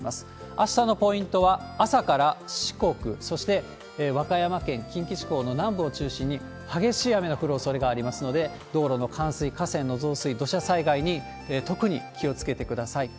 あしたのポイントは、朝から四国、そして和歌山県、近畿地方の南部を中心に、激しい雨の降るおそれがありますので、道路の冠水、河川の増水、土砂災害に特に気をつけてください。